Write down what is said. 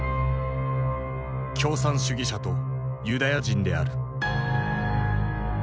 共産主義者とユダヤ人である。